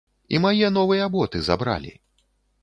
І мае новыя боты забралі.